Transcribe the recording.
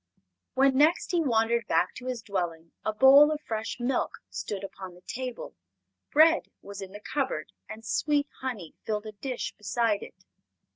When next he wandered back to his dwelling a bowl of fresh milk stood upon the table; bread was in the cupboard and sweet honey filled a dish beside it.